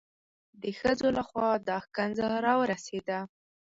د ښځو لخوا دا ښکنځا را ورسېده.